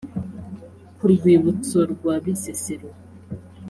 ku rwibutso rwa bisesero